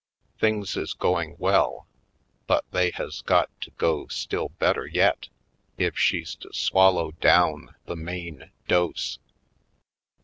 Things is going well, but they has got to go still better yet if she's to swallow down the main dose.